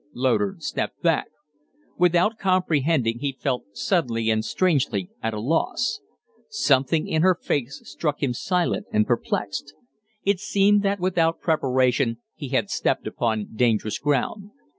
Loder stepped back. Without comprehending, he felt suddenly and strangely at a loss. Something in her face struck him silent and perplexed. It seemed that without preparation he had stepped upon dangerous ground.